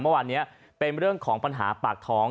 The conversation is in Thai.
เมื่อวานนี้เป็นเรื่องของปัญหาปากท้อง